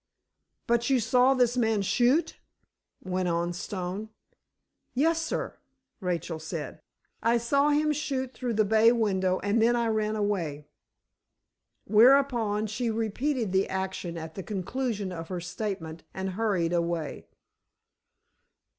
"But you saw this man shoot?" went on Stone. "Yes, sir," Rachel said; "I saw him shoot through the bay window and then I ran away." Whereupon, she repeated the action at the conclusion of her statement, and hurried away.